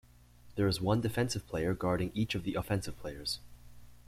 There is one defensive player guarding each of the offensive players.